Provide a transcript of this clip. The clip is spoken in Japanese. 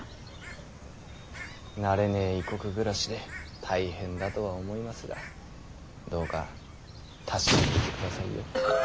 慣れねぇ異国暮らしで大変だとは思いますがどうか達者でいてくださいよ。